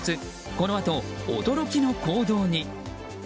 このあと驚きの行動に。